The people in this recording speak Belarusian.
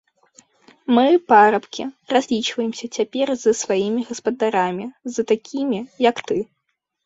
Мы, парабкі, разлічваемся цяпер з сваімі гаспадарамі, з такімі, як ты.